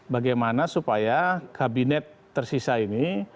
bagaimana supaya kabinet tersisa ini